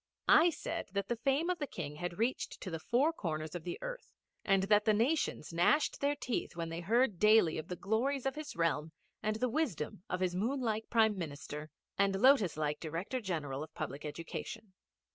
I said that the fame of the King had reached to the four corners of the earth, and that the nations gnashed their teeth when they heard daily of the glories of his realm and the wisdom of his moon like Prime Minister and lotus like Director General of Public Education.